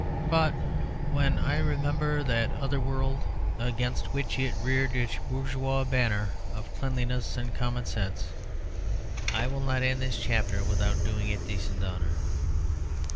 But when I remember that other world against which it reared its bourgeois banner of cleanliness and common sense, I will not end this chapter without doing it decent honour.